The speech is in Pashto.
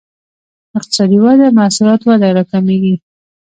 اقتصادي وده محصولات وده راکمېږي.